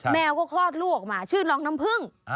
แมวก็คลอดลูกออกมาชื่อน้องน้ำผึ้ง